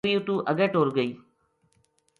بکری اُتو اگے ٹر گئی۔